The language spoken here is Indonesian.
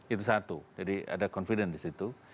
itu satu jadi ada confidence di situ